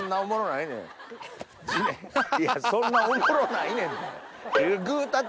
いやそんなおもろないねんて。